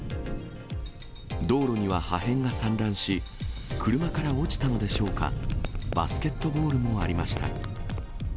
道路には破片が散乱し、車から落ちたのでしょうか、バスケットボールもありました。